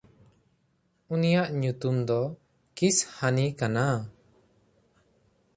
ᱩᱱᱤᱭᱟᱜ ᱧᱩᱛᱩᱢ ᱫᱚ ᱠᱤᱥᱦᱟᱱᱤ ᱠᱟᱱᱟ᱾